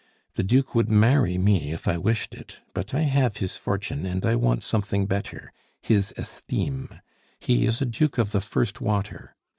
The Duke would marry me if I wished it, but I have his fortune, and I want something better his esteem. He is a Duke of the first water.